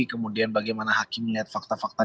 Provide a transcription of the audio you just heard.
kemudian bagaimana hakim melihat fakta fakta